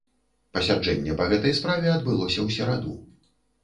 Пасяджэнне па гэтай справе адбылося ў сераду.